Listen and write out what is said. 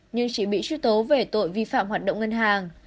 nhưng chị bị truy tố về tội vi phạm hoạt động ngân hàng